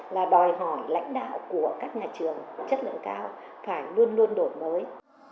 là đòi hỏi lãnh đạo của các nhà trường chất lượng cao phải luôn luôn đổi mới